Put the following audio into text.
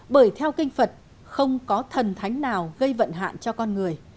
bởi theo kinh phật không có thần thánh nào gây vận hạn cho con người